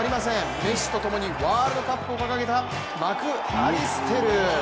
メッシとともにワールドカップを掲げた、マク・アリステル。